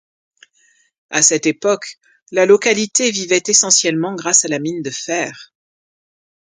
À cette époque, la localité vivait essentiellement grâce à la mine de fer.